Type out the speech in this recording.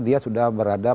dia sudah berada